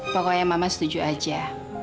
pokoknya mama setuju aja